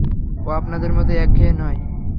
ও আপনাদের মত একঘেঁয়ে নয়।